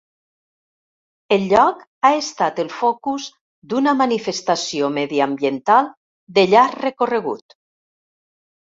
El lloc ha estat el focus d'una manifestació mediambiental de llarg recorregut.